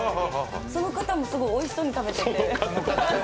その方もすごいおいしそうに食べてて。